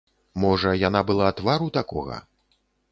Можа, яна была твару такога?